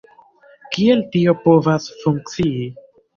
Kiel tio povas funkcii??